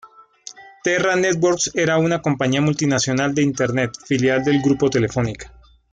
Terra Networks era una compañía multinacional de Internet, filial del grupo Telefónica.